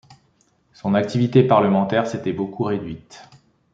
Son activité parlementaire s'était beaucoup réduite.